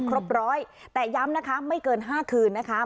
ครบร้อยแต่ย้ำนะคะไม่เกิน๕คืนนะคะ